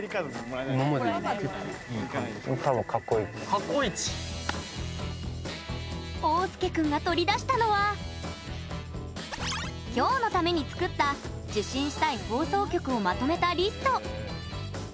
桜涼君が取り出したのはきょうのために作った受信したい放送局をまとめたリスト。